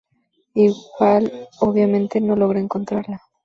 Igual, obviamente, no logra encontrarla.